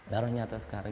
baru nyata sekarang